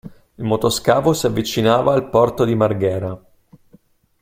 Il motoscafo si avvicinava al porto di Marghera.